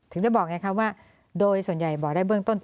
ถึงได้บอกไงคะว่าโดยส่วนใหญ่บอกได้เบื้องต้น